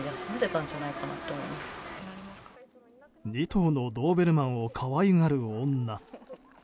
２頭のドーベルマンを可愛がる女。